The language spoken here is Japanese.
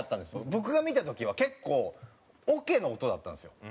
僕が見た時は結構オケの音だったんですよ。